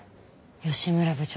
吉村部長